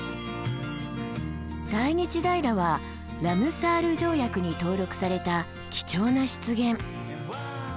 大日平はラムサール条約に登録された貴重な湿原。